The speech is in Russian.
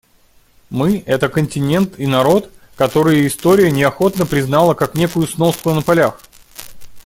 Мы — это континент и народ, которые история неохотно признала как некую сноску на полях.